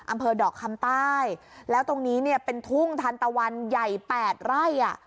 อำเภอดอกคำใต้แล้วตรงนี้เนี่ยเป็นทุ่งทันตะวันใหญ่แปดไร่อ่ะ